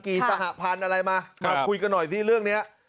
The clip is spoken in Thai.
สหพันธุ์อะไรมามาคุยกันหน่อยสิเรื่องนี้